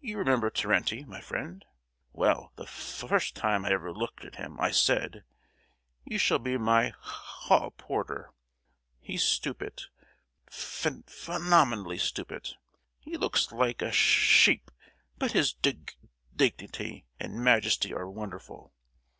You remember Terenty, my friend? Well, the f—first time I ever looked at him I said, 'You shall be my ha—hall porter.' He's stupid, phen—phen—omenally stupid, he looks like a she—sheep; but his dig—dignity and majesty are wonderful.